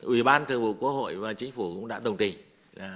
ủy ban thường vụ quốc hội và chính phủ cũng đã đồng tình